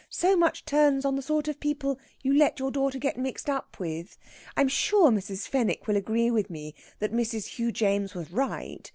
So much turns on the sort of people you let your daughter get mixed up with. I'm sure Mrs. Fenwick will agree with me that Mrs. Hugh James was right.